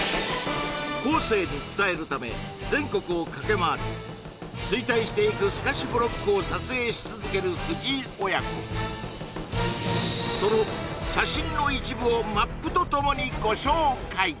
後世に伝えるため全国を駆けまわり衰退していく透かしブロックを撮影し続ける藤井親子その写真の一部をマップとともにご紹介